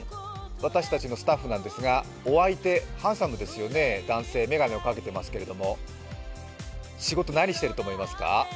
私たちのスタッフなんですが、お相手、ハンサムですよね、男性、眼鏡をかけていますけど仕事何してると思いますか？